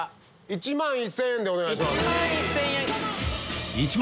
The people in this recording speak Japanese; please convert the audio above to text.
１万１０００円でお願いします。